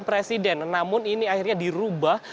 presiden namun ini akhirnya dirubah